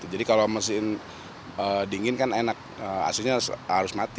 jadi kalau mesin dingin kan enak aslinya harus mati